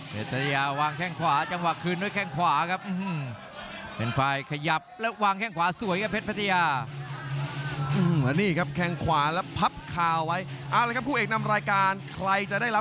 พรรฟตแตชาวางแคล้งขวาจังหวะตามแค่รุ่น